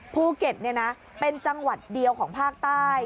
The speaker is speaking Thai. ภูเก็ตเป็นจังหวัดเดียวของภาคใต้